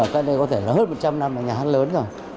cho nên có thể là hết một trăm linh năm là nhà hát lớn rồi